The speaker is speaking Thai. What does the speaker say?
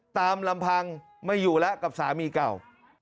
ตามลำพังไม่อยู่แล้วกับสามีเก่า